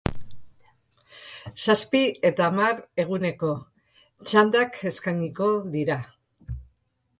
Zazpi eta hamar eguneko txandak eskainiko dira.